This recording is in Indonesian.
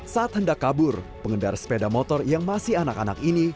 saat hendak kabur pengendara sepeda motor yang masih anak anak ini